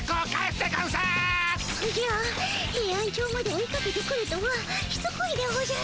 ヘイアンチョウまで追いかけてくるとはしつこいでおじゃる。